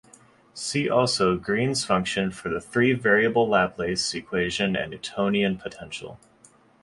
See also Green's function for the three-variable Laplace equation and Newtonian potential.